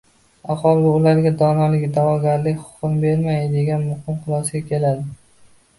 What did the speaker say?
Alhol, “Bu ularga donolikka da’vogarlik huquqini bermaydi” degan muqim xulosaga keladi